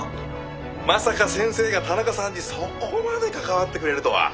まさか先生が田中さんにそこまで関わってくれるとは。